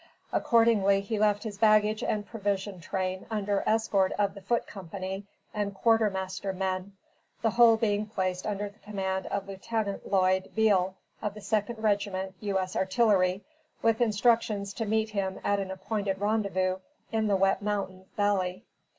Accordingly, he left his baggage and provision train under escort of the foot company and quartermaster men, the whole being placed under the command of Lieutenant Lloyd Beall, of the Second Regiment U.S. Artillery, with instructions to meet him at an appointed rendezvous in the Wet Mountain Valley.